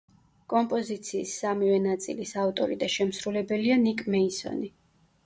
კომპოზიციის სამივე ნაწილის ავტორი და შემსრულებელია ნიკ მეისონი.